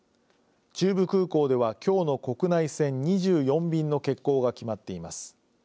中部空港では、きょうの国内線２４便の欠航が決まっています。